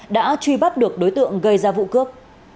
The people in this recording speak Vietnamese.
đã truy bắt được đối tượng gây ra vụ cướp